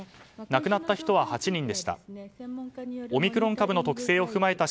亡くなった人は８人でした。